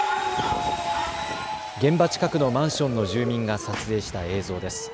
現場近くのマンションの住民が撮影した映像です。